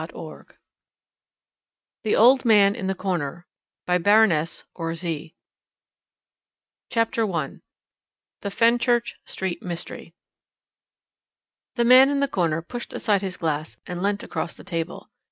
THE END THE OLD MAN IN THE CORNER CHAPTER I THE FENCHURCH STREET MYSTERY The man in the corner pushed aside his glass, and leant across the table.